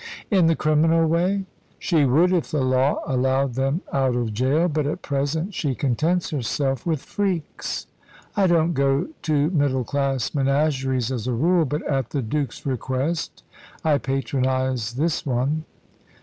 "In the criminal way?" "She would, if the law allowed them out of gaol. But at present she contents herself with freaks. I don't go to middle class menageries as a rule, but at the Duke's request I patronise this one."